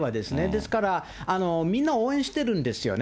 ですから、みんな応援してるんですよね。